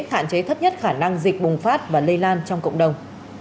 hạn chế thấp nhất khả năng dịch bùng phát và lây lan trong cộng đồng